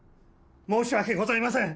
申し訳ございません！